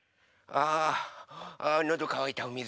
あのどかわいたおみず